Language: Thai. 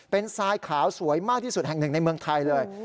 เป็นทรายขาวสวยมากที่สุดแห่งหนึ่งในเมืองไทยเลย